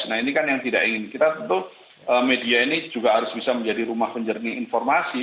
nah ini kan yang tidak ingin kita tentu media ini juga harus bisa menjadi rumah penjernih informasi